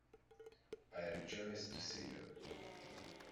I rejoice to see you!